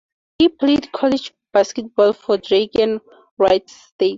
He played college basketball for Drake and Wright State.